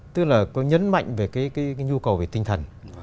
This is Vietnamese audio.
tức là tôi nhấn mạnh về cái nhu cầu về tinh thần